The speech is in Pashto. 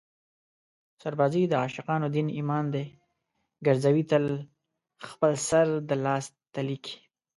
سربازي د عاشقانو دین ایمان دی ګرزوي تل خپل سر د لاس تلي کې